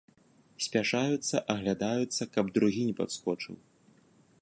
Спяшаюцца, аглядаюцца, каб другі не падскочыў.